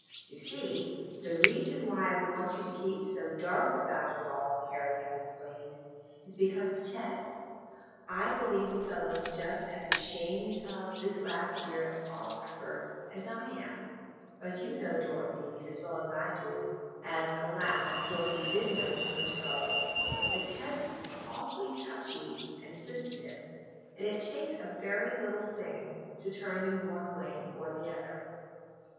"You see, the reason why I want you to keep so dark about it all," Harry had explained, "is because of Ted. I believe the fellow's just as ashamed of this last year at Oxford as I am, but you know, Dorothy, as well as I do (as, alas! Dorothy did know to her sorrow), that Ted's awfully touchy and sensitive, and it takes a very little thing to turn him one way or the other.